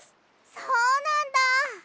そうなんだ！